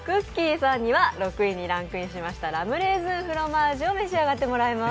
さんには６位にランクインしましたラムレーズンフロマージュを召し上がっていただきます。